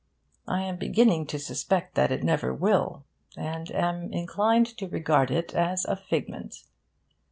I am beginning to suspect that it never will, and am inclined to regard it as a figment.